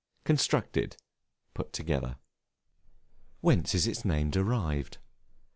Constructed, put together. Whence is its name derived?